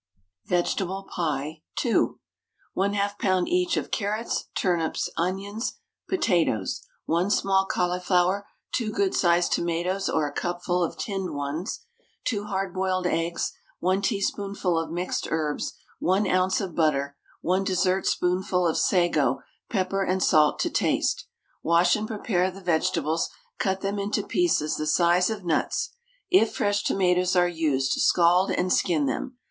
VEGETABLE PIE (2). 1/2 lb. each of carrots, turnips, onions, potatoes, 1 small cauliflower, 2 good sized tomatoes or a cupful of tinned ones, 2 hard boiled eggs, 1 teaspoonful of mixed herbs, 1 oz. of butter, 1 dessertspoonful of sago, pepper and salt to taste. Wash and prepare the vegetables, cut them into pieces the size of nuts; if fresh tomatoes are used, scald and skin them.